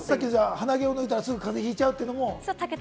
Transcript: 鼻毛を抜いたら風邪ひいちゃうっていうのも。